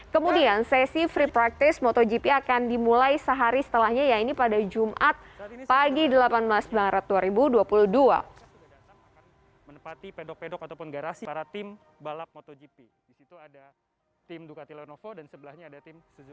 kemudian sesi free practice motogp akan dimulai sehari setelahnya ya ini pada jumat pagi delapan belas maret dua ribu dua puluh dua